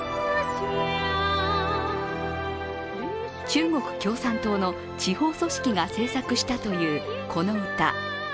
中国共産党の地方組織が制作したというこの歌。